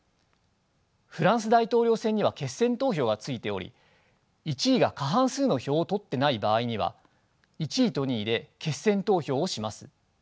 フランス大統領選には決選投票がついており１位が過半数の票を取ってない場合には１位と２位で決選投票をします。